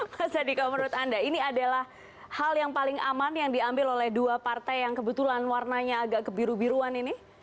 mas adi kalau menurut anda ini adalah hal yang paling aman yang diambil oleh dua partai yang kebetulan warnanya agak kebiru biruan ini